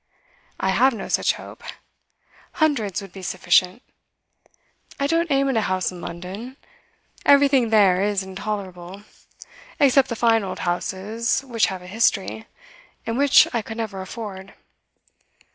'I have no such hope; hundreds would be sufficient. I don't aim at a house in London; everything there is intolerable, except the fine old houses which have a history, and which I could never afford.